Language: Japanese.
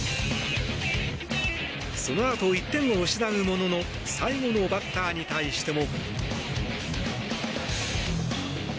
そのあと１点を失うものの最後のバッターに対しても。